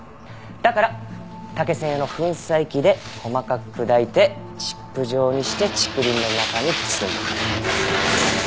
だから竹専用の粉砕機で細かく砕いてチップ状にして竹林の中に積んでおく。